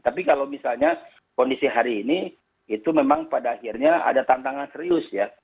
tapi kalau misalnya kondisi hari ini itu memang pada akhirnya ada tantangan serius ya